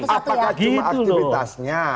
apakah cuma aktivitasnya